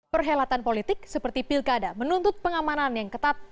perhelatan politik seperti pilkada menuntut pengamanan yang ketat